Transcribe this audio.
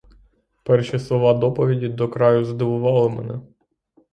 Перші слова доповіді до краю здивували мене.